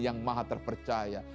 yang maha terpercaya